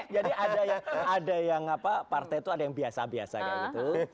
jadi ada yang partai itu ada yang biasa biasa kayak gitu